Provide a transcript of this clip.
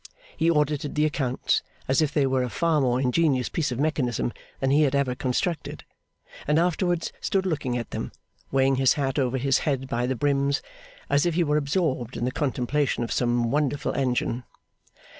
He audited the accounts, as if they were a far more ingenious piece of mechanism than he had ever constructed, and afterwards stood looking at them, weighing his hat over his head by the brims, as if he were absorbed in the contemplation of some wonderful engine.